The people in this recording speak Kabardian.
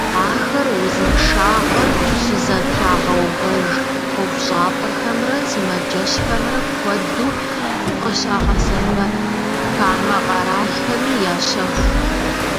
Ахэр узыншагъэр щызэтрагъэувэж ӏуэхущӏапӏэхэмрэ сымаджэщхэмрэ куэду къыщагъэсэбэп, хамэ къэралхэми ящэху.